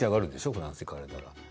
フランスに行かれたら。